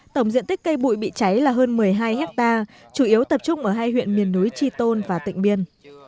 tổng diện tích cây bụi bị cháy là hơn một mươi hai hectare chủ yếu tập trung ở hai huyện miền núi tri tôn và tịnh biên